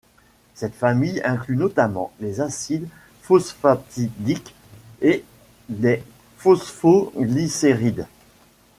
Cette famille inclut notamment les acides phosphatidiques et les phosphoglycérides.